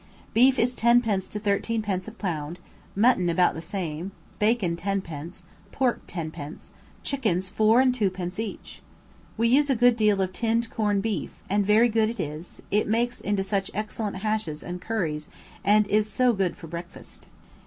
Beef is tenpence to thirteenpence a pound, mutton about the same, bacon tenpence, pork tenpence, chickens four and twopence each. We use a good deal of tinned corned beef; and very good it is, it makes into such excellent hashes and curries and is so good for breakfast.